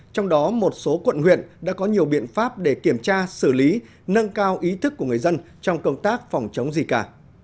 trong đó một số quận huyện đã có nhiều biện pháp để kiểm tra xử lý nâng cao ý thức của người dân trong công tác phòng chống gì cả